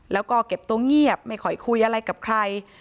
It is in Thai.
แล้วก็เก็บตัวเงียบไม่ค่อยคุยอะไรกับใคร